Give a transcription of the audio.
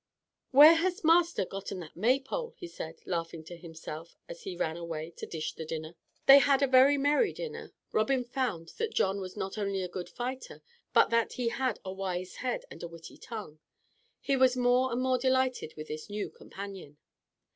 "Where has master gotten that Maypole?" he said, laughing to himself, as he ran away to dish the dinner. They had a very merry dinner. Robin found that John was not only a good fighter but that he had a wise head and a witty tongue. He was more and more delighted with his new companion.